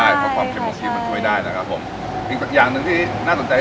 ใช่เพราะความเค็มโอชีพมันช่วยได้นะครับผมอีกอย่างหนึ่งที่น่าสนใจ